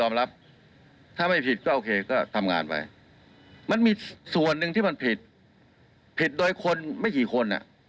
มันมีส่วนหนึ่งที่มันผิดผิดโดยคนไม่กี่คน